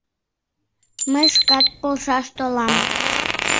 Мый шкат полшаш толам.